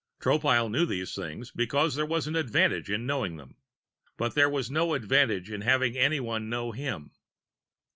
Tropile knew these things because there was an advantage in knowing them. But there was no advantage in having anyone know him.